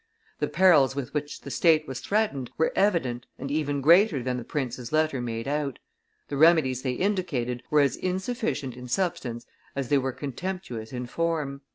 The perils with which the state was threatened were evident and even greater than the prince's letter made out; the remedies they indicated were as insufficient in substance as they were contemptuous in form.